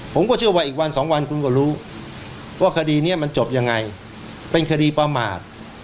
ผมก็เชื่อว่าอีกวันสองวันคุณก็รู้ว่าคดีนี้มันจบยังไงเป็นคดีประมาท